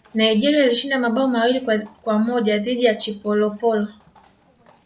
nigeria ilishinda mabao mawili kwa moja dhidi ya chipolopolo